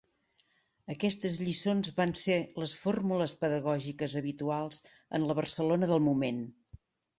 Aquestes lliçons van ser les fórmules pedagògiques habituals en la Barcelona del moment.